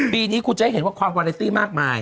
ปีนี้คุณจะให้เห็นว่าความวาเลซี่มากมาย